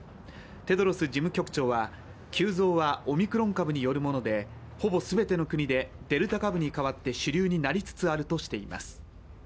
テドロス事務局長は、急増はオミクロン株によるもので、ほぼ全ての国でデルタ株に代わって主流になりつつあるとしています。